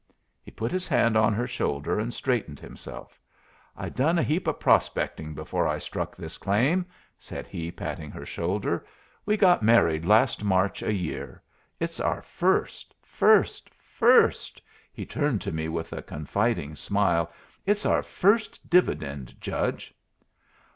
He put his hand on her shoulder and straightened himself. "I done a heap of prospecting before I struck this claim," said he, patting her shoulder. "We got married last March a year. It's our first first first" he turned to me with a confiding smile "it's our first dividend, judge."